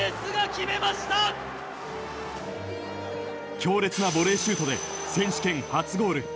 強烈なボレーシュートで選手権初ゴール。